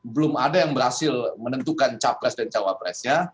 belum ada yang berhasil menentukan capres dan cawapresnya